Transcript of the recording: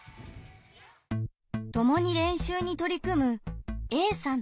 ともに練習に取り組むＡさんとＢさん。